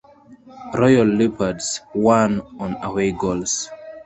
Royal Leopards won on away goals.